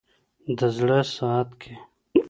د زړه ساعت كي